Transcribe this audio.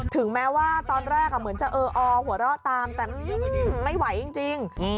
ถึงแม้ว่าตอนแรกเหมือนจะเอออหัวเราะตามแต่ไม่ไหวจริง